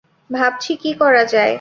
ভাবছি কী করা যায়।